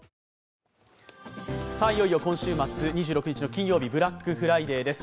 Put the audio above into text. いよいよ今週末、２６日の金曜日ブラックフライデーです。